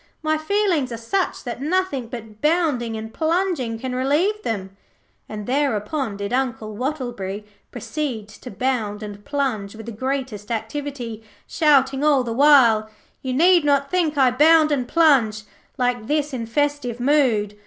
My feelings are such that nothing but bounding and plunging can relieve them.' And thereupon did Uncle Wattleberry proceed to bound and plunge with the greatest activity, shouting all the while 'You need not think I bound and plunge Like this in festive mood.